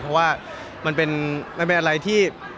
เพราะว่ามันเป็นอะไรที่